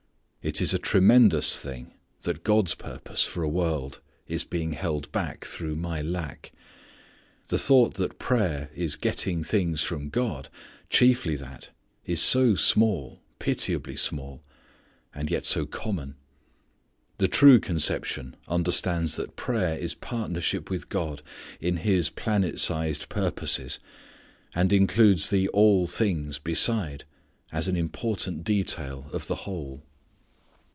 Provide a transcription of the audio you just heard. It is a tremendous thing that God's purpose for a world is being held back through my lack. The thought that prayer is getting things from God; chiefly that, is so small, pitiably small, and yet so common. The true conception understands that prayer is partnership with God in His planet sized purposes, and includes the "all things" beside, as an important detail of the whole.